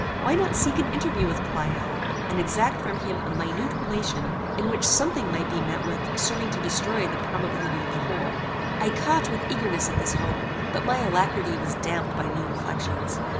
Why not seek an interview with Pleyel, and exact from him a minute relation, in which something may be met with serving to destroy the probability of the whole? I caught, with eagerness, at this hope; but my alacrity was damped by new reflections.